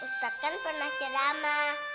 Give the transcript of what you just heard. ustadz kan pernah cerama